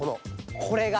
これが。